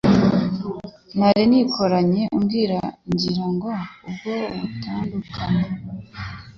Nari nikoranye ubwira ngira ngo ubwo butandukana,